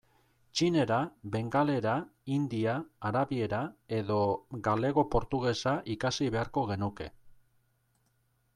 Txinera, bengalera, hindia, arabiera, edo galego-portugesa ikasi beharko genuke.